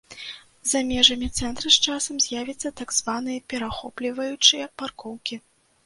За межамі цэнтра з часам з'явяцца так званыя перахопліваючыя паркоўкі.